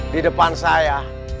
di depan saya